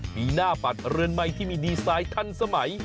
มีหน้าปัดเรือนใหม่ที่มีดีไซน์ทันสมัย